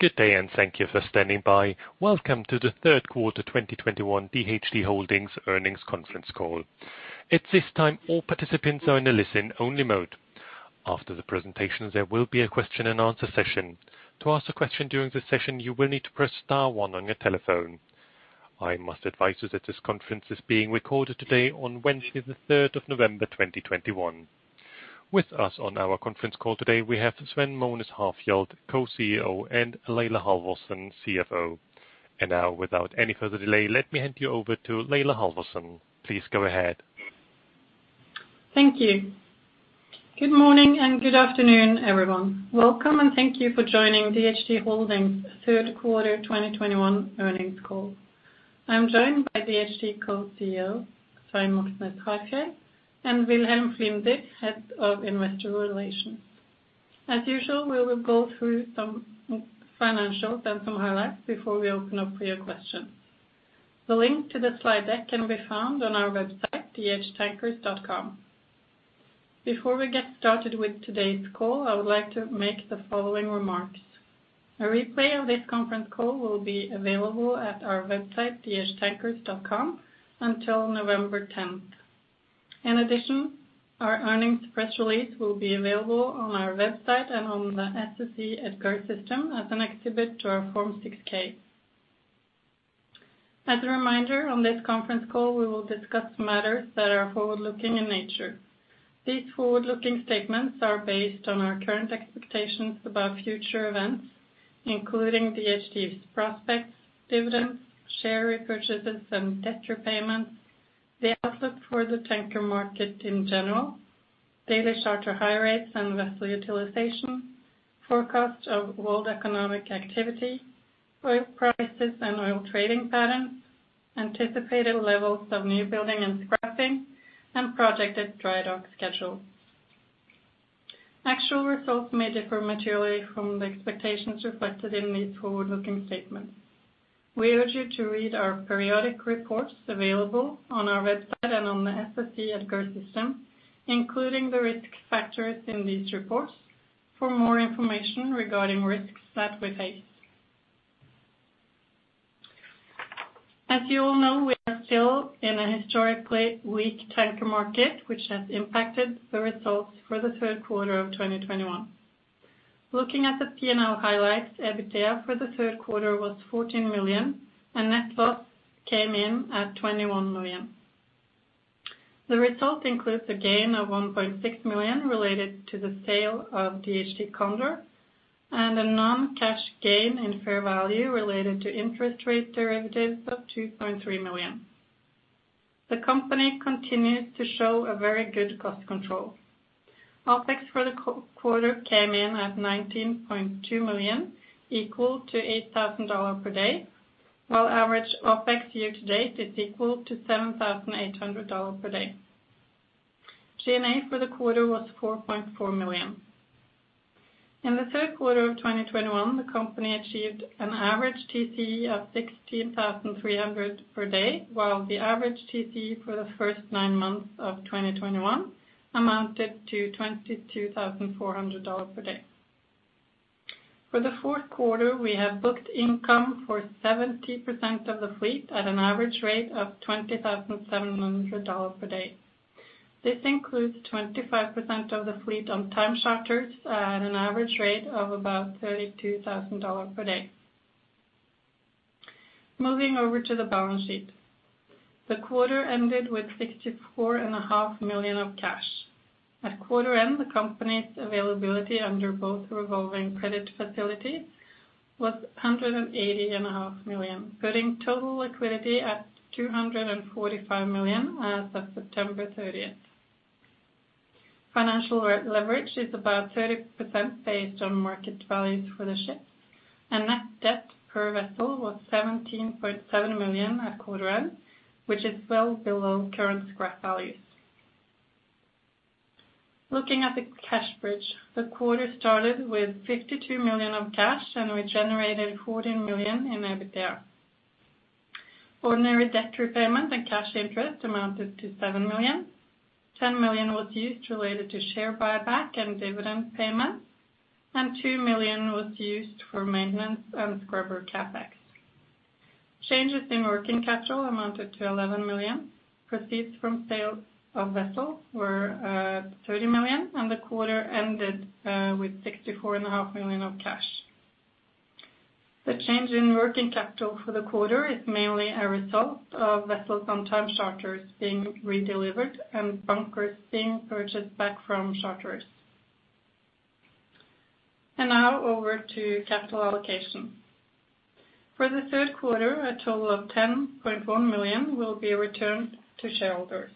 Good day, and thank you for standing by. Welcome to the third quarter 2021 DHT Holdings Earnings Conference Call. At this time, all participants are in a listen-only mode. After the presentation, there will be a question and answer session. To ask a question during the session, you will need to press star one on your telephone. I must advise you that this conference is being recorded today on Wednesday, the 1/3 of November, 2021. With us on our conference call today, we have Svein Moxnes Harfjeld, Co-CEO, and Laila Halvorsen, CFO. Now, without any further delay, let me hand you over to Laila Halvorsen. Please go ahead. Thank you. Good morning and good afternoon, everyone. Welcome, and thank you for joining DHT Holdings third quarter 2021 earnings call. I'm joined by DHT Co-CEO, Svein Moxnes Harfjeld, and Wilhelm Flinder, Head of Investor Relations. As usual, we will go through some financials and some highlights before we open up for your questions. The link to the slide deck can be found on our website, dhtankers.com. Before we get started with today's call, I would like to make the following remarks. A replay of this conference call will be available at our website, dhtankers.com, until November 10. In addition, our earnings press release will be available on our website and on the SEC EDGAR System as an exhibit to our Form 6-K. As a reminder, on this conference call, we will discuss matters that are forward-looking in nature. These forward-looking statements are based on our current expectations about future events, including DHT's prospects, dividends, share repurchases, and debt repayments, the outlook for the tanker market in general, daily charter hire rates and vessel utilization, forecast of world economic activity, oil prices and oil trading patterns, anticipated levels of new building and scrapping, and projected dry dock schedules. Actual results may differ materially from the expectations reflected in these forward-looking statements. We urge you to read our periodic reports available on our website and on the SEC EDGAR system, including the risk factors in these reports for more information regarding risks that we face. As you all know, we are still in a historically weak tanker market, which has impacted the results for the third quarter of 2021. Looking at the P&L highlights, EBITDA for the third quarter was $14 million, and net loss came in at $21 million. The result includes a gain of $1.6 million related to the sale of DHT Condor and a non-cash gain in fair value related to interest rate derivatives of $2.3 million. The company continued to show a very good cost control. OPEX for the 1/4 came in at $19.2 million, equal to $8,000 per day, while average OPEX year to date is equal to $7,800 per day. G&A for the 1/4 was $4.4 million. In the third quarter of 2021, the company achieved an average TCE of $16,300 per day, while the average TCE for the first 9 months of 2021 amounted to $22,400 per day. For the fourth 1/4, we have booked income for 70% of the fleet at an average rate of $27,700 per day. This includes 25% of the fleet on time charters at an average rate of about $32,000 per day. Moving over to the balance sheet. The 1/4 ended with $64.5 million of cash. At 1/4 end, the company's availability under both revolving credit facilities was $180.5 million, putting total liquidity at $245 million as of September 30. Financial leverage is about 30% based on market values for the ships, and net debt per vessel was $17.7 million at 1/4 end, which is well below current scrap values. Looking at the cash bridge, the 1/4 started with $52 million of cash, and we generated $14 million in EBITDA. Ordinary debt repayment and cash interest amounted to $7 million. $10 million was used related to share buyback and dividend payments, and $2 million was used for maintenance and scrubber CapEx. Changes in working capital amounted to $11 million. Proceeds from sale of vessels were $30 million, and the 1/4 ended with $64.5 million of cash. The change in working capital for the 1/4 is mainly a result of vessels on time charters being redelivered and bunkers being purchased back from charters. Now over to capital allocation. For the third quarter, a total of $10.1 million will be returned to shareholders.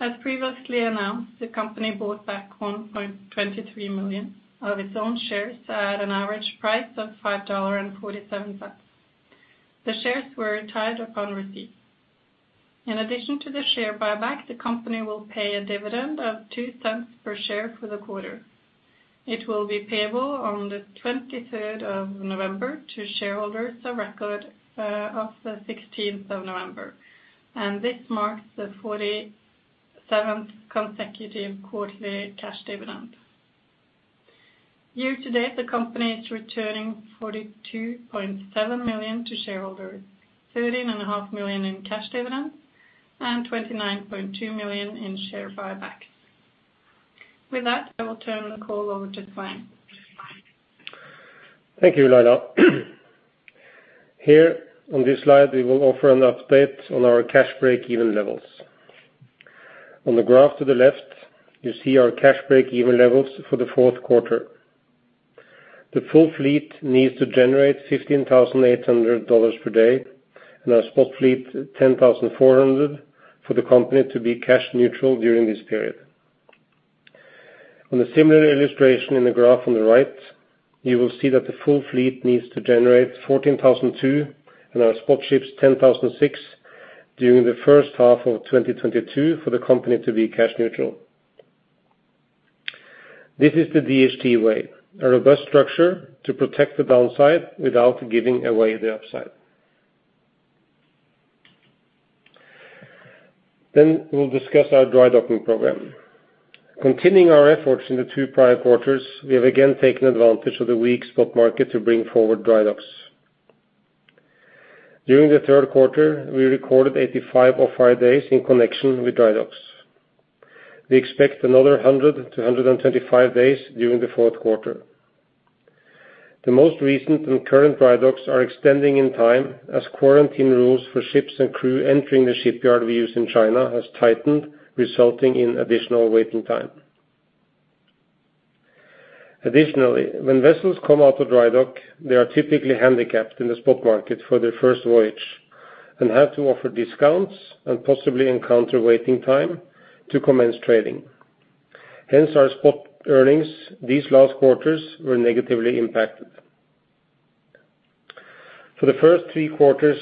As previously announced, the company bought back 1.23 million of its own shares at an average price of $5.47. The shares were retired upon receipt. In addition to the share buyback, the company will pay a dividend of $0.02 per share for the 1/4. It will be payable on the 23rd of November to shareholders of record of the 16th of November. This marks the 47th consecutive quarterly cash dividend. Year to date, the company is returning $42.7 million to shareholders, $13.5 million in cash dividends, and $29.2 million in share buyback. With that, I will turn the call over to Svein. Thank you, Laila. Here on this slide, we will offer an update on our cash breakeven levels. On the graph to the left, you see our cash breakeven levels for the fourth 1/4. The full fleet needs to generate $15,800 per day, and our spot fleet $10,400 for the company to be cash neutral during this period. On a similar illustration in the graph on the right, you will see that the full fleet needs to generate $14,200, and our spot ships $10,600 during the first 1/2 of 2022 for the company to be cash neutral. This is the DHT way, a robust structure to protect the downside without giving away the upside. We'll discuss our dry docking program. Continuing our efforts in the 2 prior quarters, we have again taken advantage of the weak spot market to bring forward dry docks. During the third quarter, we recorded 85 off-hire days in connection with dry docks. We expect another 100-125 days during the fourth 1/4. The most recent and current dry docks are extending in time as quarantine rules for ships and crew entering the shipyard we use in China has tightened, resulting in additional waiting time. Additionally, when vessels come out of dry dock, they are typically handicapped in the spot market for their first voyage and have to offer discounts and possibly encounter waiting time to commence trading. Hence, our spot earnings these last quarters were negatively impacted. For the first 3 quarters,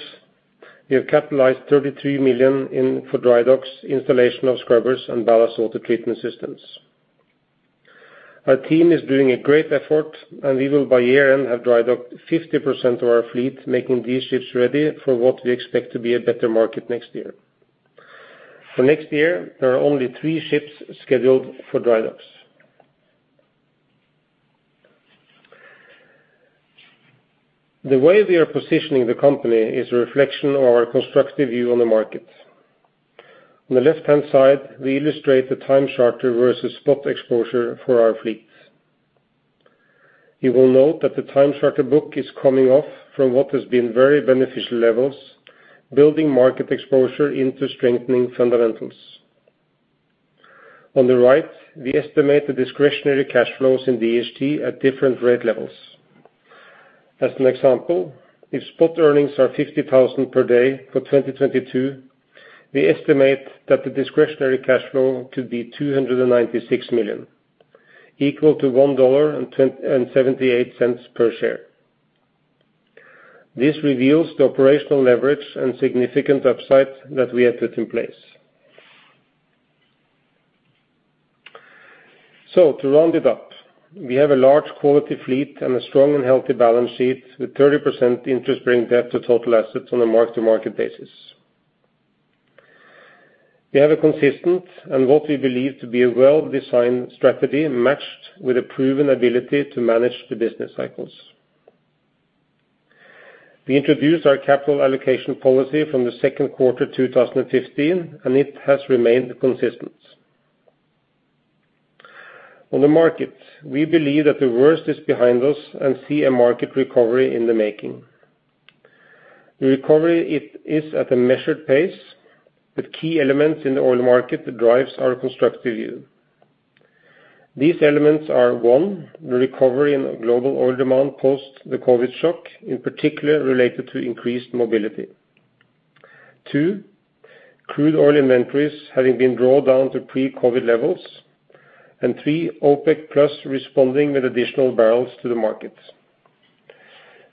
we have capitalized $33 million in, for dry docks, installation of scrubbers, and ballast water treatment systems. Our team is doing a great effort, and we will by year-end have drydocked 50% of our fleet, making these ships ready for what we expect to be a better market next year. For next year, there are only 3 ships scheduled for drydocks. The way we are positioning the company is a reflection of our constructive view on the market. On the left-hand side, we illustrate the time charter versus spot exposure for our fleet. You will note that the time charter book is coming off from what has been very beneficial levels, building market exposure into strengthening fundamentals. On the right, we estimate the discretionary cash flows in DHT at different rate levels. As an example, if spot earnings are $50,000 per day for 2022, we estimate that the discretionary cash flow to be $296 million, equal to $1.28 per share. This reveals the operational leverage and significant upside that we have put in place. To round it up, we have a large quality fleet and a strong and healthy balance sheet with 30% interest-bearing debt to total assets on a mark-to-market basis. We have a consistent and what we believe to be a well-designed strategy matched with a proven ability to manage the business cycles. We introduced our capital allocation policy from the second 1/4 2015, and it has remained consistent. On the market, we believe that the worst is behind us and see a market recovery in the making. The recovery it is at a measured pace, with key elements in the oil market that drives our constructive view. These elements are, one, the recovery in global oil demand post the COVID shock, in particular related to increased mobility. Two, crude oil inventories having been drawn down to Pre-COVID levels. Three, OPEC+ responding with additional barrels to the market.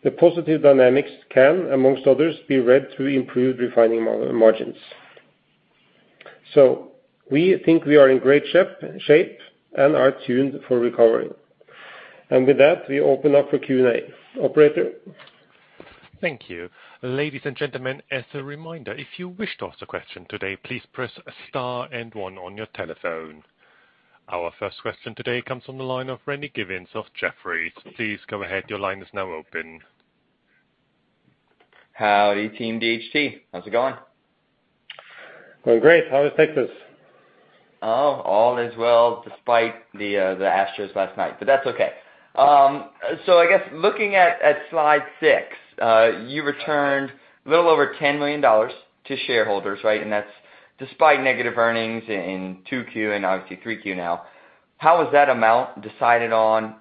The positive dynamics can, among others, be read through improved refining margins. We think we are in great shape and are tuned for recovery. With that, we open up for Q&A. Operator? Thank you. Ladies and gentlemen, as a reminder, if you wish to ask a question today, please press star and one on your telephone. Our first question today comes from the line of Randy Giveans of Jefferies. Please go ahead, your line is now open. How are you, Team DHT? How's it going? Going great. How is Texas? Oh, all is well despite the Astros last night, but that's okay. I guess looking at slide 6, you returned a little over $10 million to shareholders, right? That's despite negative earnings in 2Q and obviously 3Q now. How was that amount decided on?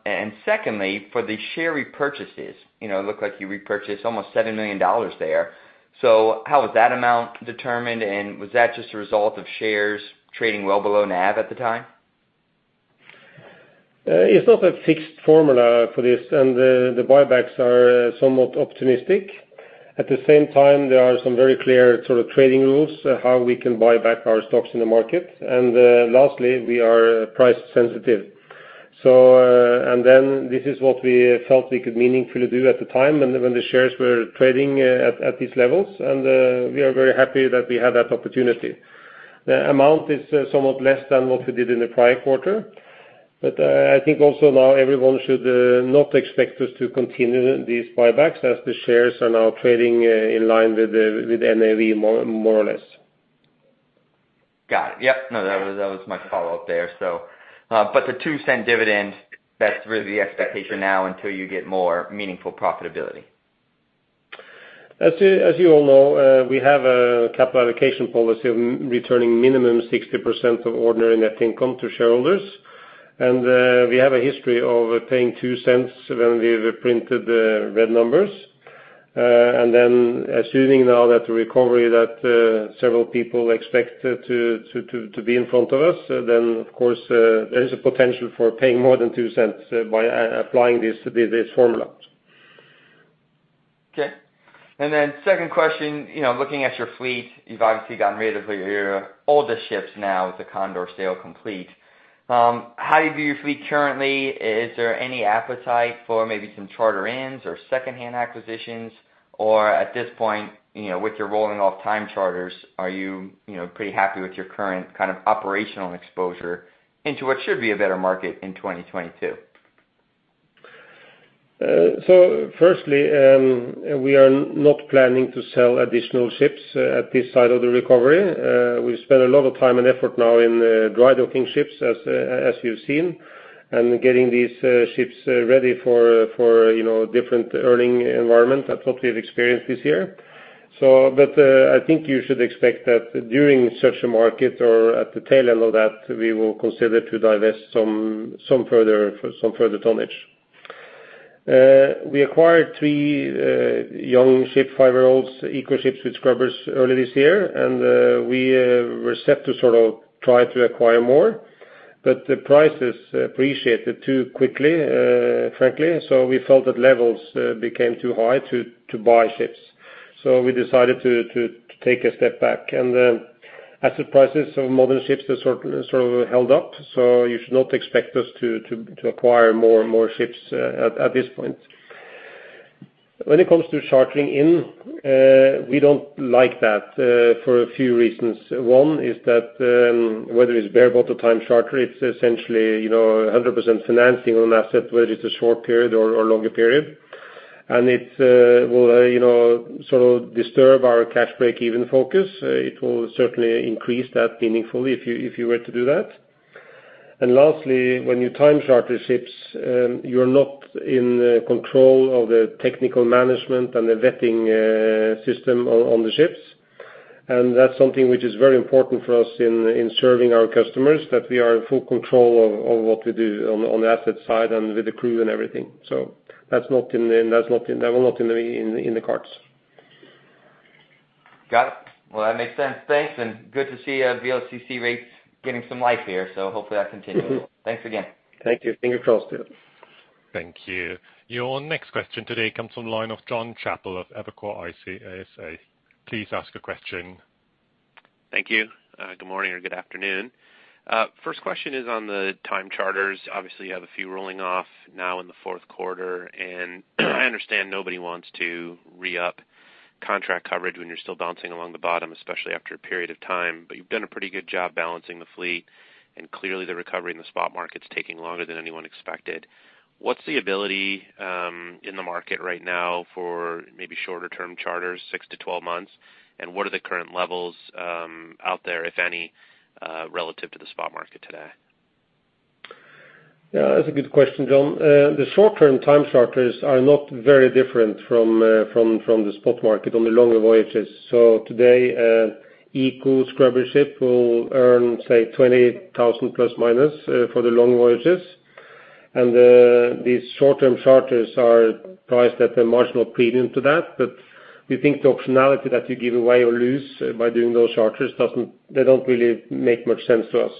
Secondly, for the share repurchases, you know, it looked like you repurchased almost $7 million there. How was that amount determined, and was that just a result of shares trading well below NAV at the time? It's not a fixed formula for this, and the buybacks are somewhat optimistic. At the same time, there are some very clear sort of trading rules how we can buy back our stocks in the market. Lastly, we are price sensitive. This is what we felt we could meaningfully do at the time when the shares were trading at these levels. We are very happy that we had that opportunity. The amount is somewhat less than what we did in the prior 1/4. I think also now everyone should not expect us to continue these buybacks as the shares are now trading in line with the NAV more or less. Got it. Yep. No, that was my follow-up there. The $0.02 dividend, that's really the expectation now until you get more meaningful profitability. As you all know, we have a capital allocation policy of returning minimum 60% of ordinary net income to shareholders. We have a history of paying $0.02 when we've printed the red numbers. Assuming now that the recovery that several people expect to be in front of us, then of course, there is a potential for paying more than $0.02 by applying this formula. Okay. Second question, you know, looking at your fleet, you've obviously gotten rid of your older ships now with the Condor sale complete. How do you view your fleet currently? Is there any appetite for maybe some charter ins or second-hand acquisitions? Or at this point, you know, with your rolling off time charters, are you know, pretty happy with your current kind of operational exposure into what should be a better market in 2022? Firstly, we are not planning to sell additional ships at this side of the recovery. We've spent a lot of time and effort now in dry-docking ships as you've seen, and getting these ships ready for you know different earning environment than what we've experienced this year. I think you should expect that during such a market or at the tail end of that, we will consider to divest some further tonnage. We acquired 3 young ship 5-year-olds, eco ships with scrubbers early this year, and we were set to sort of try to acquire more. But the prices appreciated too quickly, frankly, so we felt that levels became too high to buy ships. We decided to take a step back. Asset prices of modern ships have sort of held up, so you should not expect us to acquire more and more ships at this point. When it comes to chartering in, we don't like that for a few reasons. One is that, whether it's bareboat or time charter, it's essentially, you know, 100% financing on asset, whether it's a short period or longer period. It will, you know, sort of disturb our cash break-even focus. It will certainly increase that meaningfully if you were to do that. Lastly, when you time charter ships, you're not in control of the technical management and the vetting system on the ships. That's something which is very important for us in serving our customers, that we are in full control of what we do on the asset side and with the crew and everything. That's not in the cards. Got it. Well, that makes sense. Thanks, and good to see VLCC rates getting some life here, so hopefully that continues. Thanks again. Thank you. Fingers crossed here. Thank you. Your next question today comes from the line of Jonathan Chappell of Evercore ISI. Please ask a question. Thank you. Good morning or good afternoon. First question is on the time charters. Obviously, you have a few rolling off now in the fourth 1/4. I understand nobody wants to re-up contract coverage when you're still bouncing along the bottom, especially after a period of time, but you've done a pretty good job balancing the fleet, and clearly the recovery in the spot market's taking longer than anyone expected. What's the ability in the market right now for maybe shorter-term charters, 6-12 months? What are the current levels out there, if any, relative to the spot market today? Yeah, that's a good question, John. The short-term time charters are not very different from the spot market on the longer voyages. Today, eco scrubber ship will earn, say, $20,000 ± for the long voyages. These short-term charters are priced at a marginal premium to that. We think the optionality that you give away or lose by doing those charters they don't really make much sense to us.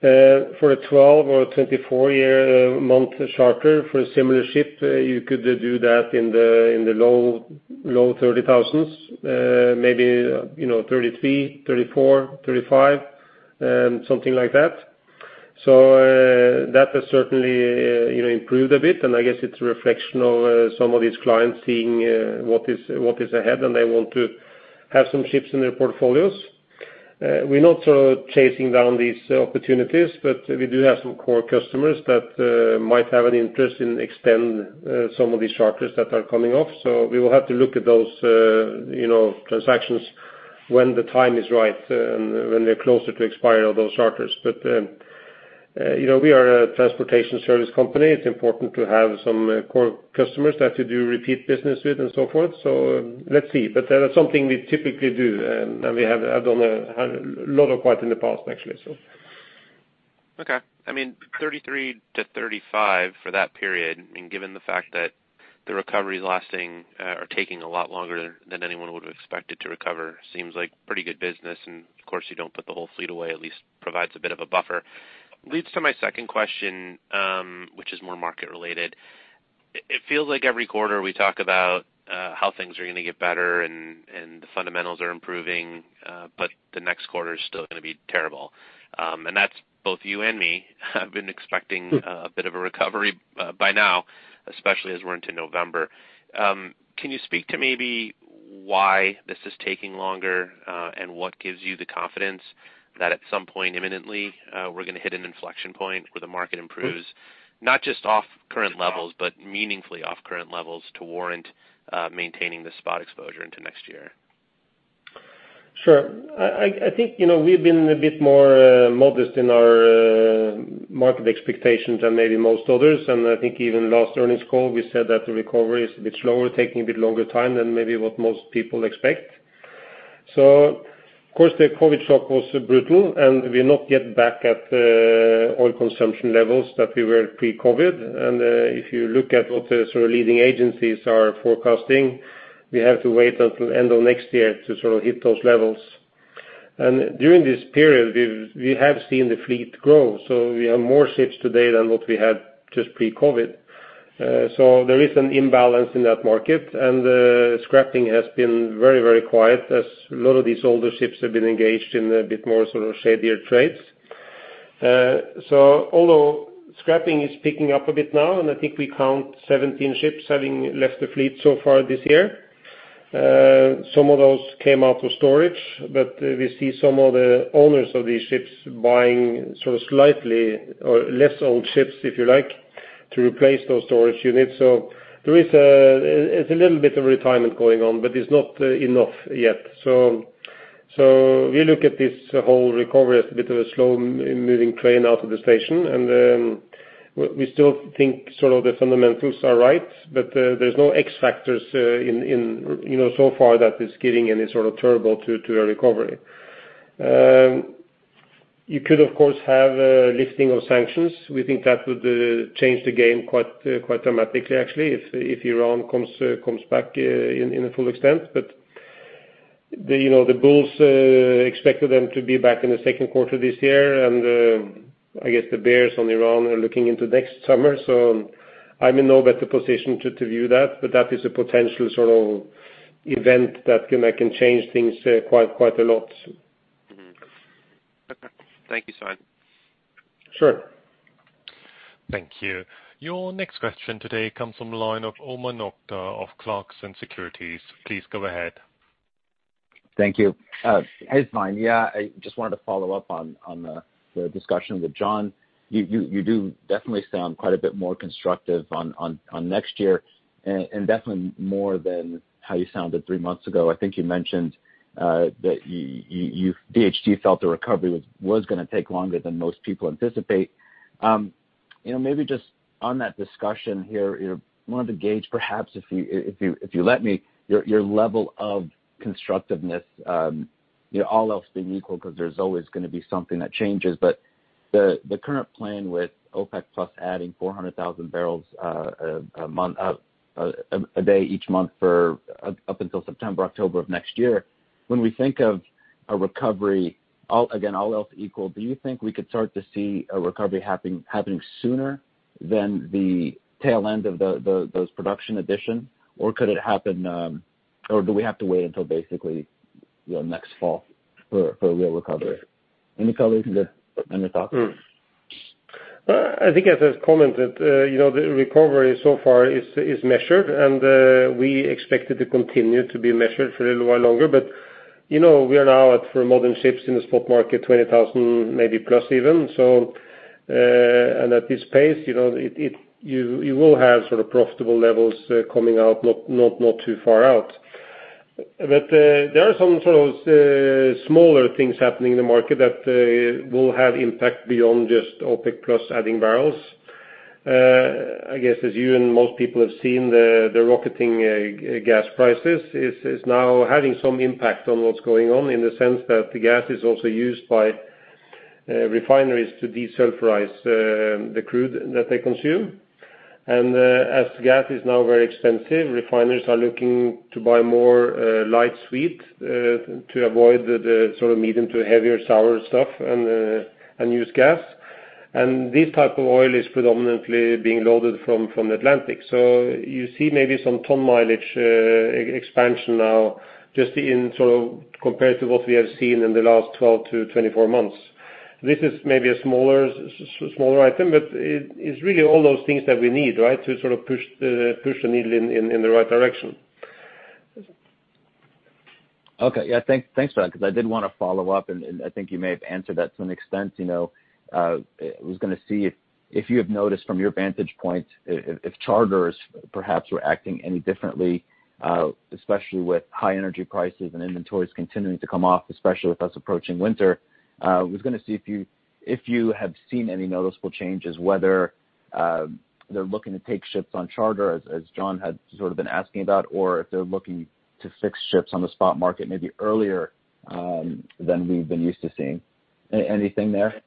For a 12- or 24-month charter for a similar ship, you could do that in the low 30,000s, maybe 33,000, 34,000, 35,000, something like that. That has certainly, you know, improved a bit, and I guess it's a reflection of some of these clients seeing what is ahead, and they want to have some ships in their portfolios. We're not sort of chasing down these opportunities, but we do have some core customers that might have an interest in extending some of these charters that are coming off. We will have to look at those, you know, transactions when the time is right and when they're closer to expiry of those charters. You know, we are a transportation service company. It's important to have some core customers that you do repeat business with and so forth. Let's see. That is something we typically do, and we have done quite a lot in the past, actually, so. Okay. I mean, 33-35 for that period, I mean, given the fact that the recovery is lasting or taking a lot longer than anyone would have expected to recover, seems like pretty good business. Of course, you don't put the whole fleet away, at least provides a bit of a buffer. Leads to my second question, which is more market related. It feels like every 1/4 we talk about how things are gonna get better and the fundamentals are improving, but the next 1/4 is still gonna be terrible. That's both you and me have been expecting- Hmm. a bit of a recovery by now, especially as we're into November. Can you speak to maybe why this is taking longer, and what gives you the confidence that at some point imminently, we're gonna hit an inflection point where the market improves? Hmm. Not just off current levels. Yeah. Meaningfully off current levels to warrant maintaining the spot exposure into next year. Sure. I think, you know, we've been a bit more modest in our market expectations than maybe most others. I think even last earnings call, we said that the recovery is a bit slower, taking a bit longer time than maybe what most people expect. Of course, the COVID shock was brutal and we're not yet back at oil consumption levels that we were Pre-COVID. If you look at what the sort of leading agencies are forecasting, we have to wait until end of next year to sort of hit those levels. During this period, we have seen the fleet grow, so we have more ships today than what we had just Pre-COVID. There is an imbalance in that market. Scrapping has been very, very quiet as a lot of these older ships have been engaged in a bit more sort of shadier trades. Although scrapping is picking up a bit now, and I think we count 17 ships having left the fleet so far this year, some of those came out of storage, but we see some of the owners of these ships buying sort of slightly or less old ships, if you like, to replace those storage units. It's a little bit of retirement going on, but it's not enough yet. We look at this whole recovery as a bit of a slow moving train out of the station, and we still think sort of the fundamentals are right. There's no X factors in you know so far that is giving any sort of turbo to a recovery. You could of course have a lifting of sanctions. We think that would change the game quite quite dramatically actually if Iran comes back in a full extent. The you know the bulls expected them to be back in the second 1/4 this year. I guess the bears on Iran are looking into next summer. I'm in no better position to view that. That is a potential sort of event that can change things quite quite a lot. Okay. Thank you, Svein. Sure. Thank you. Your next question today comes from the line of Omar Nokta of Clarksons Platou Securities. Please go ahead. Thank you. Hi, Svein. Yeah, I just wanted to follow up on the discussion with John. You do definitely sound quite a bit more constructive on next year and definitely more than how you sounded 3 months ago. I think you mentioned that DHT felt the recovery was gonna take longer than most people anticipate. You know, maybe just on that discussion here, I wanted to gauge perhaps if you let me your level of constructiveness, you know, all else being equal because there's always gonna be something that changes. The current plan with OPEC+ adding 400,000 barrels a day each month for up until September, October of next year, when we think of a recovery, all else equal, do you think we could start to see a recovery happening sooner than the tail end of those production additions, or could it happen, or do we have to wait until basically, you know, next fall for a real recovery? Any color in the thoughts? I think as I commented, you know, the recovery so far is measured and we expect it to continue to be measured for a little while longer. You know, we are now at for modern ships in the spot market, 20,000 maybe plus even. At this pace, you know, you will have sort of profitable levels coming out not too far out. There are some smaller things happening in the market that will have impact beyond just OPEC+ adding barrels. I guess as you and most people have seen the rocketing gas prices is now having some impact on what's going on in the sense that gas is also used by refineries to desulfurize the crude that they consume. As gas is now very expensive, refineries are looking to buy more light sweet to avoid the sort of medium to heavier sour stuff and use gas. This type of oil is predominantly being loaded from the Atlantic. You see maybe some ton mileage expansion now just in sort of compared to what we have seen in the last 12-24 months. This is maybe a smaller item, but it's really all those things that we need, right, to sort of push the needle in the right direction. Okay. Yeah. Thanks for that, because I did want to follow up and I think you may have answered that to an extent, you know. I was gonna see if you have noticed from your vantage point if charters perhaps were acting any differently, especially with high energy prices and inventories continuing to come off, especially with us approaching winter. I was gonna see if you have seen any noticeable changes, whether they're looking to take ships on charter as John had sort of been asking about, or if they're looking to fix ships on the spot market maybe earlier than we've been used to seeing. Anything there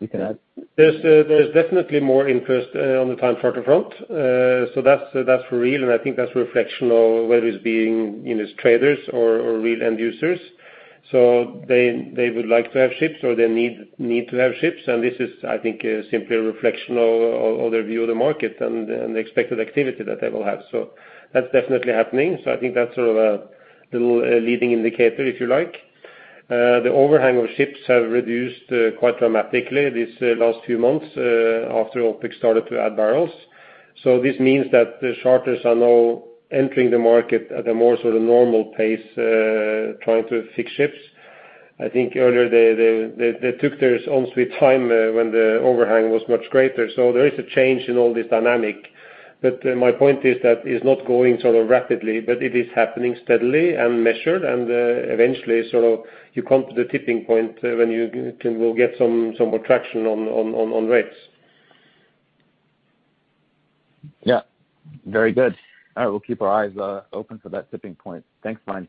you can add? There's definitely more interest on the time charter front. That's for real, and I think that's a reflection of whether it's being, you know, as traders or real end users. They would like to have ships or they need to have ships. This is I think simply a reflection of their view of the market and the expected activity that they will have. That's definitely happening. I think that's sort of a little leading indicator, if you like. The overhang of ships have reduced quite dramatically these last few months after OPEX started to add barrels. This means that the charters are now entering the market at a more sort of normal pace trying to fix ships. I think earlier they took their own time when the overhang was much greater. There is a change in all this dynamic. My point is that it's not going sort of rapidly, but it is happening steadily and measured, and eventually sort of you come to the tipping point when you can get some more traction on rates. Yeah. Very good. All right, we'll keep our eyes open for that tipping point. Thanks, Svein.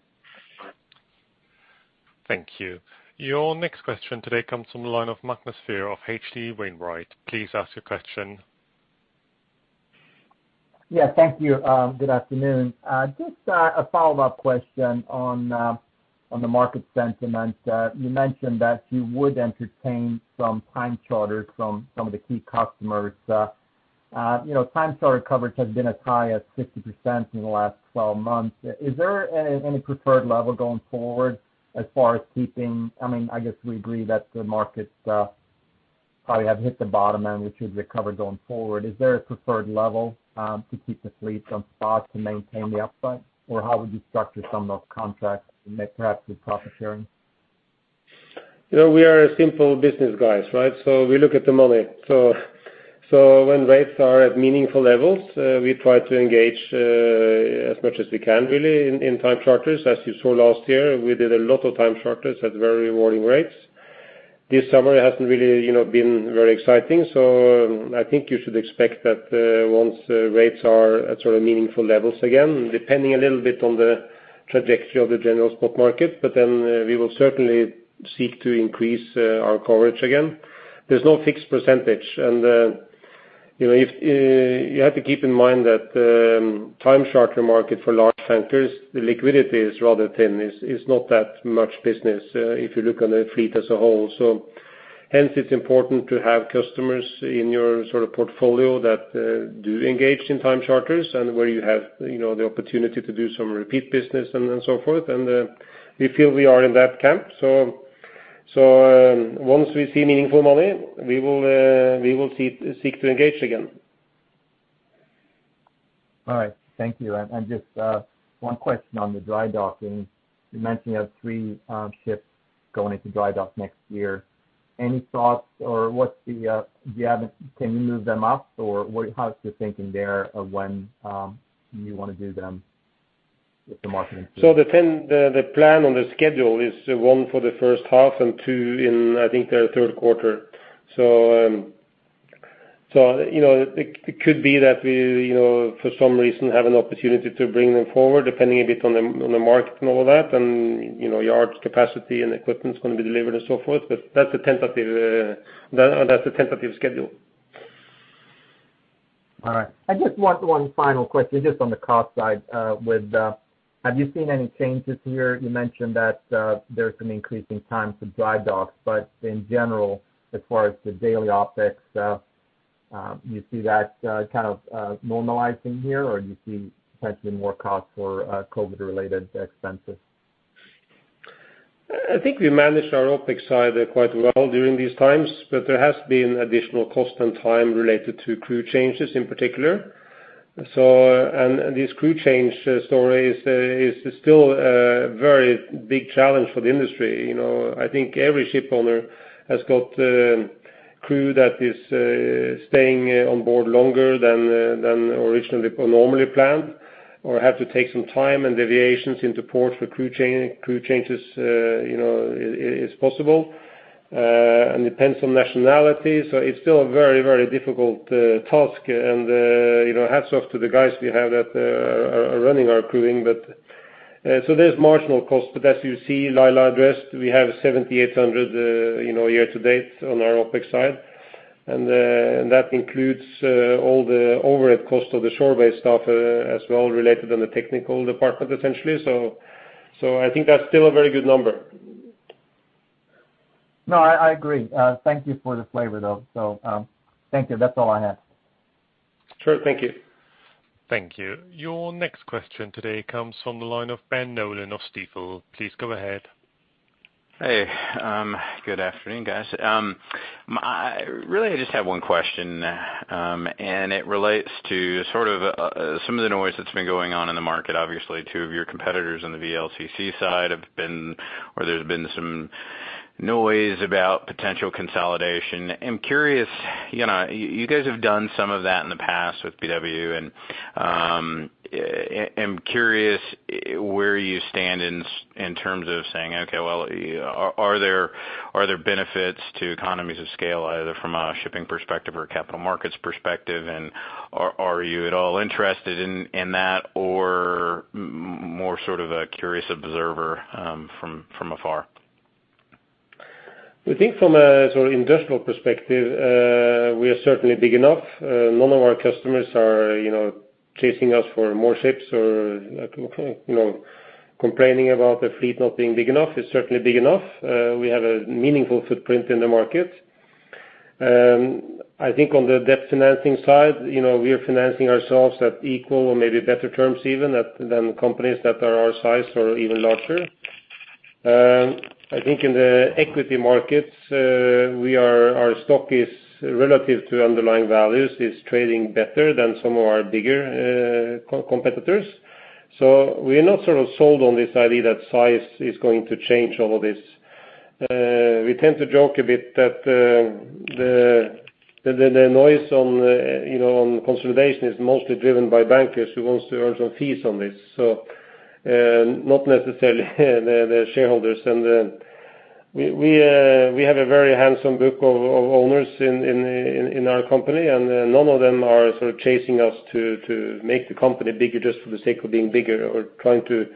Thank you. Your next question today comes from the line of Magnus Fyhr of H.C. Wainwright. Please ask your question. Yeah, thank you. Good afternoon. Just a follow-up question on the market sentiment. You mentioned that you would entertain some time charters from some of the key customers. You know, time charter coverage has been as high as 60% in the last 12 months. Is there any preferred level going forward as far as keeping. I mean, I guess we agree that the markets probably have hit the bottom and we should recover going forward. Is there a preferred level to keep the fleet on spot to maintain the upside, or how would you structure some of contracts maybe perhaps with profit sharing? You know, we are a simple business guys, right? We look at the money. When rates are at meaningful levels, we try to engage as much as we can really in time charters. As you saw last year, we did a lot of time charters at very rewarding rates. This summer, it hasn't really been very exciting. I think you should expect that once rates are at sort of meaningful levels again, depending a little bit on the trajectory of the general spot market, but then we will certainly seek to increase our coverage again. There's no fixed percentage. You have to keep in mind that time charter market for large tankers, the liquidity is rather thin. It's not that much business if you look on the fleet as a whole. Hence it's important to have customers in your sort of portfolio that do engage in time charters and where you have, you know, the opportunity to do some repeat business and then so forth. We feel we are in that camp. Once we see meaningful money, we will seek to engage again. All right. Thank you. Just one question on the dry docking. You mentioned you have 3 ships going into dry dock next year. Any thoughts or can you move them up, or what? How is the thinking there of when you wanna do them if the market improves? The plan on the schedule is 1 for the first 1/2 and 2 in, I think, the third quarter. You know, it could be that we, you know, for some reason, have an opportunity to bring them forward, depending a bit on the market and all that and, you know, yards capacity and equipment's gonna be delivered and so forth. That's a tentative schedule. All right. I just want one final question just on the cost side. Have you seen any changes here? You mentioned that there's an increase in time to dry docks, but in general, as far as the daily OpEx, do you see that kind of normalizing here, or do you see potentially more costs for COVID related expenses? I think we managed our OpEx side quite well during these times, but there has been additional cost and time related to crew changes in particular. This crew change story is still a very big challenge for the industry, you know. I think every ship owner has got crew that is staying on board longer than originally or normally planned, or have to take some time and deviations into ports for crew changes, you know, is possible, and depends on nationality.It's still a very, very difficult task. You know, hats off to the guys we have that are running our crewing. There's marginal cost. As you see, Laila addressed, we have $7,800 year to date on our OpEx side. That includes all the overhead cost of the shore-based staff, as well as related to the technical department, essentially. I think that's still a very good number. No, I agree. Thank you for the flavor, though. Thank you. That's all I had. Sure. Thank you. Thank you. Your next question today comes from the line of Ben Nolan of Stifel. Please go ahead. Hey, good afternoon, guys. I just have one question, and it relates to sort of some of the noise that's been going on in the market. Obviously, 2 of your competitors on the VLCC side have been or there's been some noise about potential consolidation. I'm curious, you know, you guys have done some of that in the past with BW and, I'm curious where you stand in terms of saying, okay, well, are there benefits to economies of scale, either from a shipping perspective or a capital markets perspective? Are you at all interested in that or more sort of a curious observer from afar? We think from a sort of industrial perspective, we are certainly big enough. None of our customers are, you know, chasing us for more ships or, you know, complaining about the fleet not being big enough. It's certainly big enough. We have a meaningful footprint in the market. I think on the debt financing side, you know, we are financing ourselves at equal or maybe better terms even at than companies that are our size or even larger. I think in the equity markets, our stock is relative to underlying values, is trading better than some of our bigger competitors. We are not sort of sold on this idea that size is going to change all of this. We tend to joke a bit that the noise, you know, on consolidation is mostly driven by bankers who wants to earn some fees on this. Not necessarily the shareholders. We have a very handsome book of owners in our company, and none of them are sort of chasing us to make the company bigger just for the sake of being bigger or trying to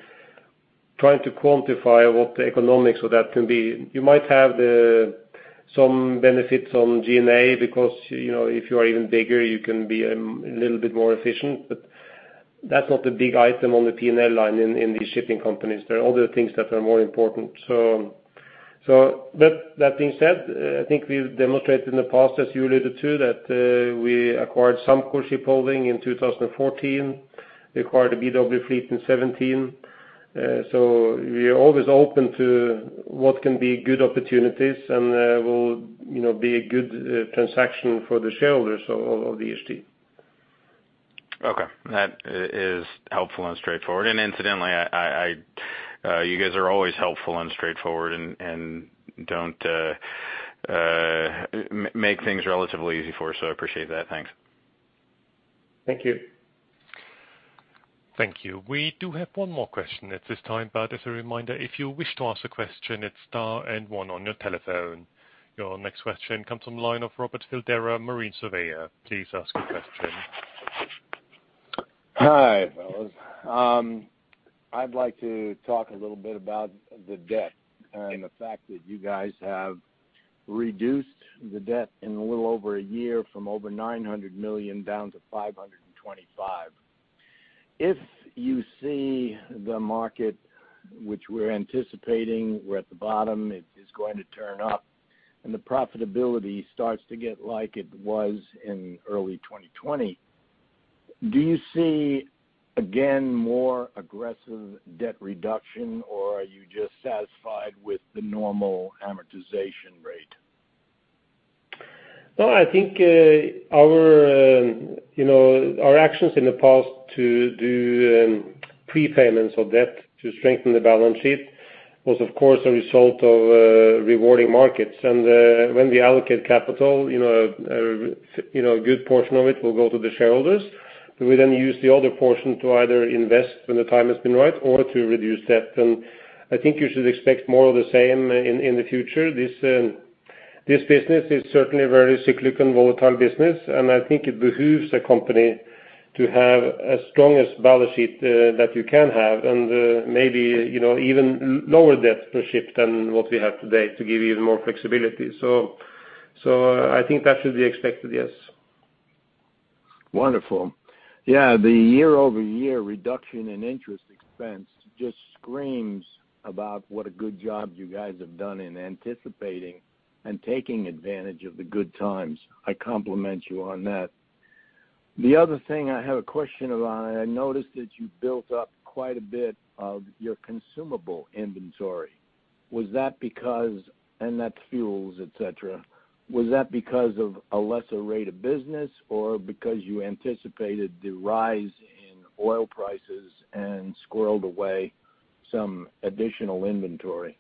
quantify what the economics of that can be. You might have some benefits on G&A because, you know, if you are even bigger, you can be a little bit more efficient, but that's not a big item on the P&L line in the shipping companies. There are other things that are more important. That being said, I think we've demonstrated in the past, as you alluded to, that we acquired some core ship holding in 2014. We acquired a BW fleet in 2017. We are always open to what can be good opportunities and will, you know, be a good transaction for the shareholders of DHT. Okay. That is helpful and straightforward. Incidentally, you guys are always helpful and straightforward and don't make things relatively easy for us, so I appreciate that. Thanks. Thank you. Thank you. We do have one more question at this time, but as a reminder, if you wish to ask a question, it's star and one on your telephone. Your next question comes from the line of Ronald Silvera, Marine Surveyor. Please ask your question. Hi, fellows. I'd like to talk a little bit about the debt and the fact that you guys have reduced the debt in a little over a year from over $900 million down to $525 million. If you see the market, which we're anticipating, we're at the bottom, it is going to turn up and the profitability starts to get like it was in early 2020, do you see again more aggressive debt reduction, or are you just satisfied with the normal amortization rate? No, I think our you know our actions in the past to do prepayments of debt to strengthen the balance sheet was, of course, a result of roaring markets. When we allocate capital, you know a good portion of it will go to the shareholders, but we then use the other portion to either invest when the time has been right or to reduce debt. I think you should expect more of the same in the future. This business is certainly a very cyclical and volatile business, and I think it behooves a company to have as strong a balance sheet that you can have and maybe you know even lower debt per ship than what we have today to give you even more flexibility. I think that should be expected, yes. Wonderful. Yeah, the Year-Over-Year reduction in interest expense just screams about what a good job you guys have done in anticipating and taking advantage of the good times. I compliment you on that. The other thing I have a question around, I noticed that you built up quite a bit of your consumable inventory and that fuels, et cetera. Was that because of a lesser rate of business or because you anticipated the rise in oil prices and squirreled away some additional inventory?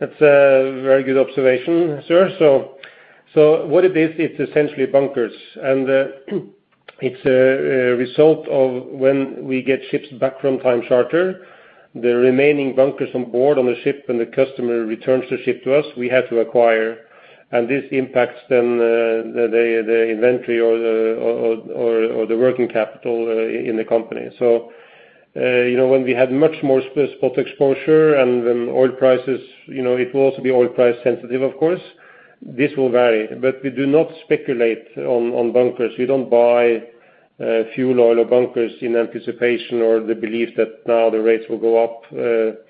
That's a very good observation, sir. What it is, it's essentially bunkers. It's a result of when we get ships back from time charter, the remaining bunkers on board on the ship, and the customer returns the ship to us, we have to acquire. This impacts then the inventory or the working capital in the company. You know, when we had much more spot exposure and when oil prices, you know, it will also be oil price sensitive, of course, this will vary. We do not speculate on bunkers. We don't buy fuel oil or bunkers in anticipation or the belief that now the rates will go up,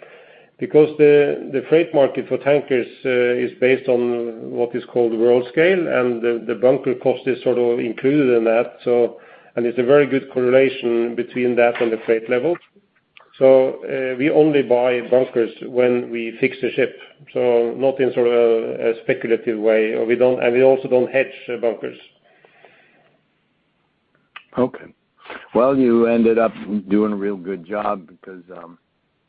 because the freight market for tankers is based on what is called Worldscale, and the bunker cost is sort of included in that. It's a very good correlation between that and the freight level. We only buy bunkers when we fix the ship, so not in sort of a speculative way, and we also don't hedge bunkers. Okay. Well, you ended up doing a real good job because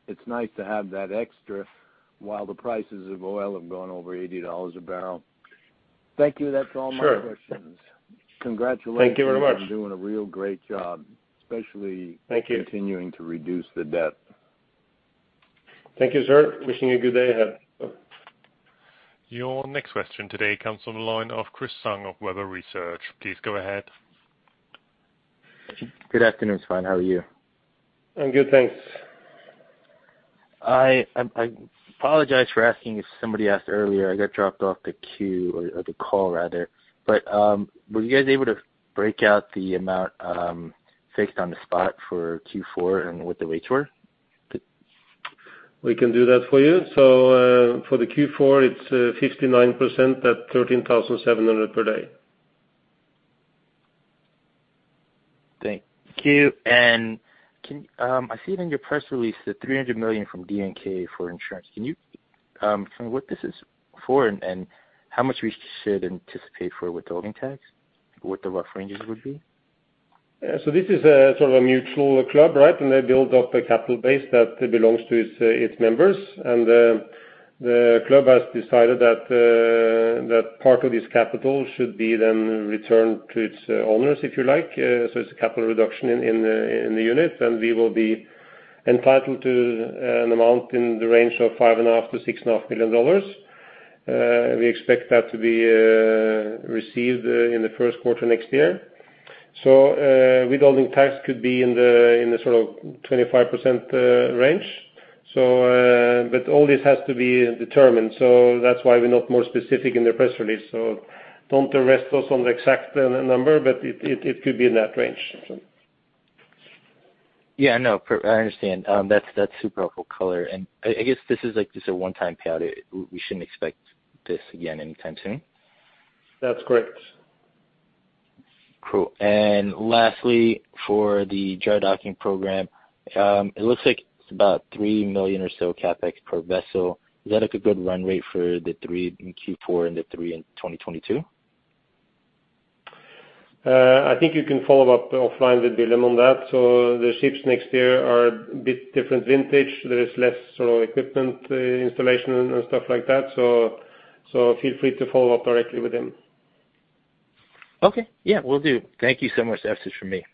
it's nice to have that extra while the prices of oil have gone over $80 a barrel. Thank you. That's all my questions. Sure. Congratulations. Thank you very much. You've been doing a real great job, especially. Thank you. Continuing to reduce the debt. Thank you, sir. Wishing you a good day ahead. Bye. Your next question today comes from the line of Chris Tsung of Webber Research. Please go ahead. Good afternoon, Svein. How are you? I'm good, thanks. I apologize for asking if somebody asked earlier. I got dropped off the queue or the call rather. Were you guys able to break out the amount fixed on the spot for Q4 and what the rates were? We can do that for you. For the Q4 it's 59% at $13,700 per day. Thank you. I see it in your press release, the $300 million from DNK for insurance. What is this for and how much we should anticipate for withholding tax, what the rough ranges would be? This is a sort of a mutual club, right? They build up a capital base that belongs to its members. The club has decided that part of this capital should be then returned to its owners, if you like. It's a capital reduction in the unit, and we will be entitled to an amount in the range of $5.5 million-$6.5 million. We expect that to be received in the first 1/4 next year. Withholding tax could be in the sort of 25% range. But all this has to be determined, so that's why we're not more specific in the press release. Don't arrest us on the exact number, but it could be in that range. Yeah, I know. I understand. That's super helpful color. I guess this is like just a one-time payout. We shouldn't expect this again anytime soon. That's correct. Cool. Lastly, for the dry docking program, it looks like it's about $3 million or so CapEx per vessel. Is that like a good run rate for the 3 in Q4 and the 3 in 2022? I think you can follow up offline with Wilhelm Flinder on that. The ships next year are a bit different vintage. There is less sort of equipment installation and stuff like that. Feel free to follow up directly with him. Okay. Yeah, will do. Thank you so much. That's it for me.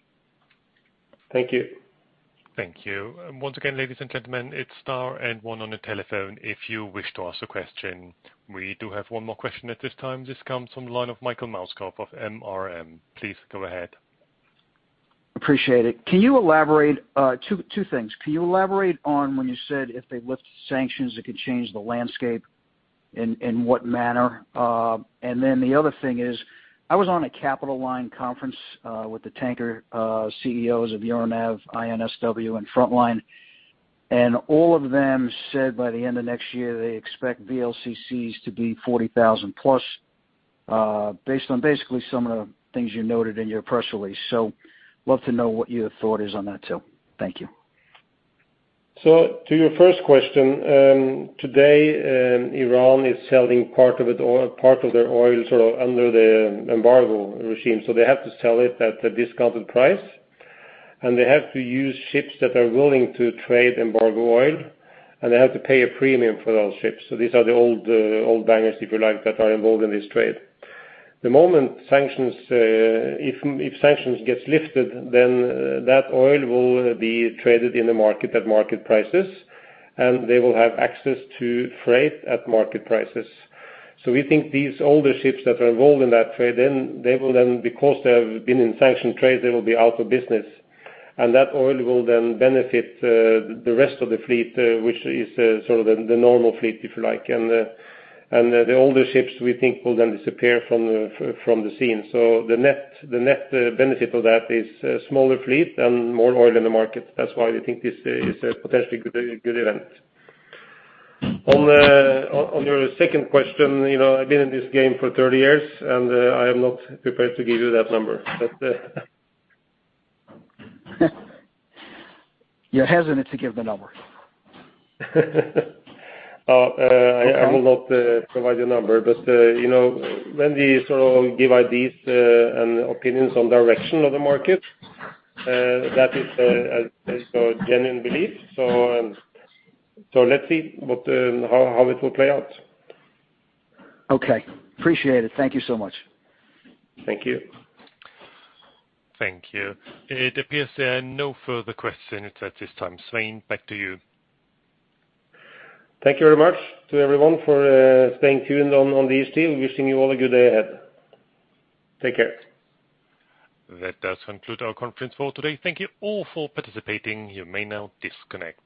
Thank you. Thank you. Once again, ladies and gentlemen, it's star and one on the telephone, if you wish to ask a question. We do have one more question at this time. This comes from the line of Michael Mouskov of MRM. Please go ahead. appreciate it. Can you elaborate on 2 things? Can you elaborate on when you said if they lift sanctions, it could change the landscape, in what manner? The other thing is, I was on a Capital Link conference with the tanker CEOs of Euronav, INSW and Frontline, and all of them said by the end of next year, they expect VLCCs to be 40,000+ based on basically some of the things you noted in your press release. Love to know what your thought is on that too. Thank you. To your first question, today, Iran is selling part of their oil sort of under the embargo regime, so they have to sell it at a discounted price. They have to use ships that are willing to trade embargo oil, and they have to pay a premium for those ships. These are the old tankers, if you like, that are involved in this trade. If sanctions gets lifted, then that oil will be traded in the market at market prices, and they will have access to freight at market prices. We think these older ships that are involved in that trade, then they will, because they have been in sanctioned trade, they will be out of business. That oil will then benefit the rest of the fleet, which is sort of the normal fleet, if you like. the older ships, we think, will then disappear from the scene. the net benefit of that is a smaller fleet and more oil in the market. That's why we think this is a potentially good event. On your second question, you know, I've been in this game for 30 years and I am not prepared to give you that number. You're hesitant to give the number. Uh, uh- Okay. I will not provide a number. You know, when we sort of give ideas and opinions on direction of the market, that is, a sort of genuine belief. Let's see what, how it will play out. Okay. Appreciate it. Thank you so much. Thank you. Thank you. It appears there are no further questions at this time. Svein, back to you. Thank you very much to everyone for staying tuned on this deal. Wishing you all a good day ahead. Take care. That does conclude our conference call today. Thank you all for participating. You may now disconnect.